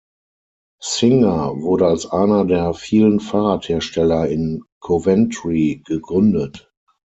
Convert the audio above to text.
Singer wurde als einer der vielen Fahrradhersteller in Coventry gegründet.